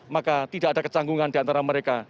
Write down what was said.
maka tidak ada kecanggungan diantara mereka